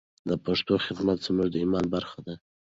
د پښتو خدمت زموږ د ایمان برخه ده.